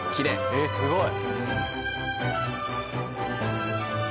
えっすごい！